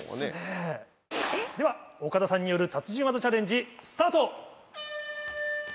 では岡田さんによる達人技チャレンジスタート！